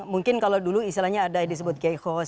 mungkin kalau dulu misalnya ada disebut gaihkos